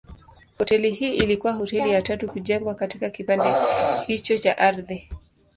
Hoteli hii ilikuwa hoteli ya tatu kujengwa katika kipande hicho cha ardhi.